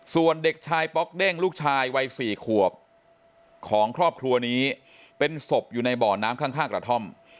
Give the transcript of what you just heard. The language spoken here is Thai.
ส่วนเด็กชายป๊อกเด้งลูกชายวัย๔ขวบของครอบครัวนี้เป็นศพอยู่ในบ่อน้ำข้างกระท่อม